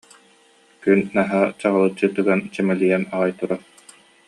Күн наһаа чаҕылыччы тыган, чэмэлийэн аҕай турар